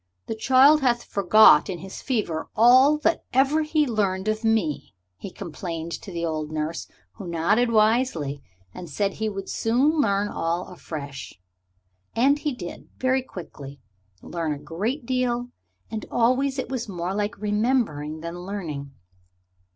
"The child hath forgot in his fever all that ever he learned of me," he complained to the old nurse, who nodded wisely and said he would soon learn all afresh. And he did, very quickly, learn a great deal, and always it was more like remembering than learning.